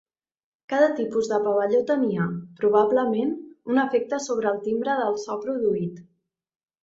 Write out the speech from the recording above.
Cada tipus de pavelló tenia, probablement, un efecte sobre el timbre del so produït.